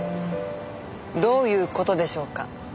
どういう事でしょうか？